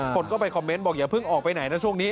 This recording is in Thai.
คนก็ไปคอมเมนต์บอกอย่าเพิ่งออกไปไหนนะช่วงนี้